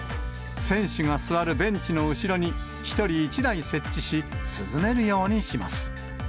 選手が座るベンチの後ろに、１人１台設置し、涼めるようにします。